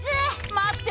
まって！